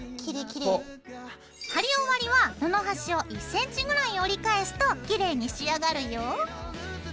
貼り終わりは布端を１ｃｍぐらい折り返すときれいに仕上がるよ。